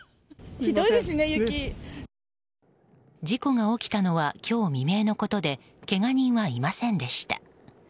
事故が起きたのは今日未明のことでけが人はいませんでした。